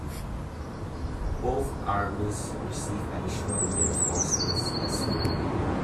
Both armies received additional reinforcements that spring.